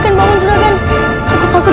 ini semua payah aku bu